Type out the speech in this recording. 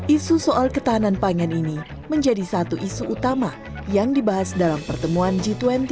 isu soal ketahanan pangan ini menjadi satu isu utama yang dibahas dalam pertemuan g dua puluh